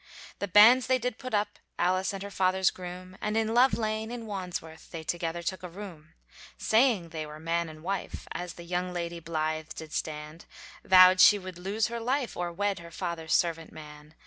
The banns they did put up, Alice and her father's groom, And in Love Lane, in Wandsworth, They together took a room: Saying they were man and wife. As the young lady blythe did stand, Vowed she would lose her life, Or wed her father's servant man.